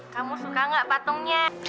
kamu suka gak patungnya